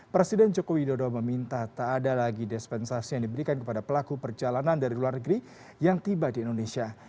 presiden joko widodo meminta tak ada lagi dispensasi yang diberikan kepada pelaku perjalanan dari luar negeri yang tiba di indonesia